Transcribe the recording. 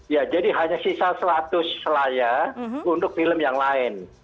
ya jadi hanya sisa seratus layar untuk film yang lain